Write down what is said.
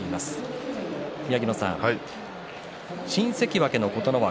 宮城野さん、新関脇の琴ノ若